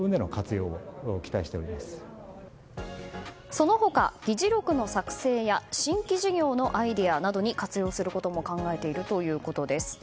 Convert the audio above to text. その他、議事録の作成や新規事業のアイデアなどに活用することも考えているということです。